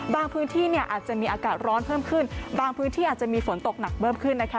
พื้นที่เนี่ยอาจจะมีอากาศร้อนเพิ่มขึ้นบางพื้นที่อาจจะมีฝนตกหนักเพิ่มขึ้นนะคะ